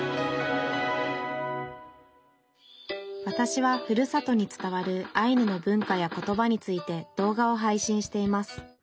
わたしはふるさとに伝わるアイヌの文化や言葉について動画を配信しています